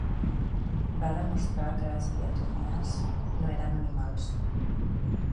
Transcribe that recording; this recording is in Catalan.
Va demostrar que les diatomees no eren animals.